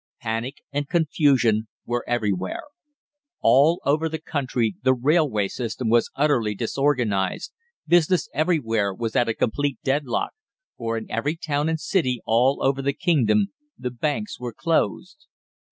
Panic and confusion were everywhere. All over the country the railway system was utterly disorganised, business everywhere was at a complete deadlock, for in every town and city all over the kingdom the banks were closed.